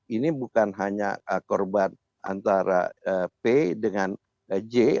ini bukan hanya korban antara p dengan j